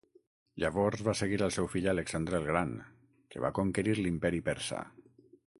Llavors va seguir el seu fill Alexandre el Gran, que va conquerir l'Imperi Persa.